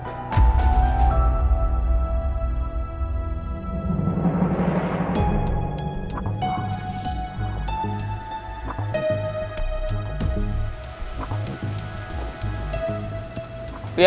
tidak ada yang bisa diinginkan